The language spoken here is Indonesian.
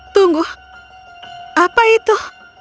tunggu apa itu